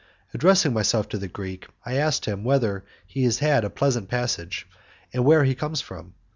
Addressing myself to the Greek, I ask him whether he has had a pleasant passage, and where he comes from.